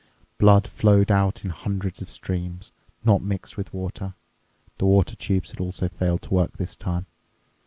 Blood flowed out in hundreds of streams, not mixed with water—the water tubes had also failed to work this time.